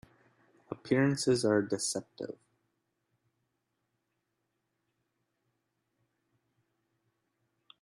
Appearances are deceptive.